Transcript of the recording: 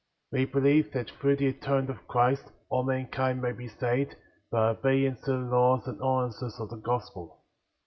3. We believe that through the atonement of Christ, all mankind may be saved, by obedience to the laws and ordinances of the Gospel.